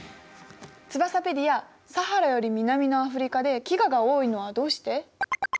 ツバサペディアサハラより南のアフリカで飢餓が多いのはどうして？